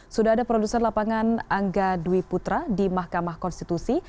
sudah ada produser lapangan angga dwi putra di mahkamah konstitusi